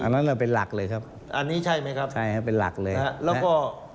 อันนั้นเป็นหลักเลยครับค่ะเป็นหลักเลยอันนี้ใช่ไหมครับ